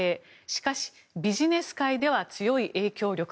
しかし、ビジネス界では強い影響力。